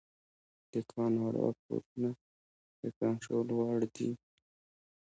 د کاناډا پورونه د کنټرول وړ دي.